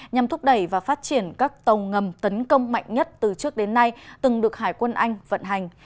nhằm thúc đẩy và phát triển các tàu ngầm tấn công mạnh nhất từ trước đến nay từng được hải quân anh vận hành